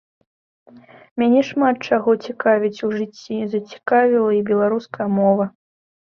Мяне шмат чаго цікавіць у жыцці, зацікавіла і беларуская мова.